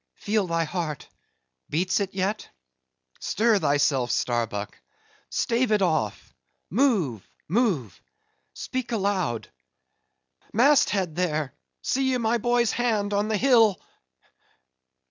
Feel thy heart,—beats it yet? Stir thyself, Starbuck!—stave it off—move, move! speak aloud!—Mast head there! See ye my boy's hand on the hill?